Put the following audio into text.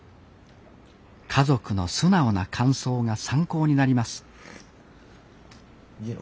家族の素直な感想が参考になります